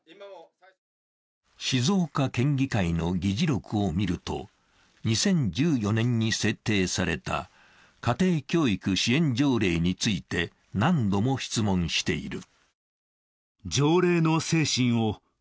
静岡県議会の議事録を見ると、２０１４年に制定された家庭教育支援条例について何度も質問している。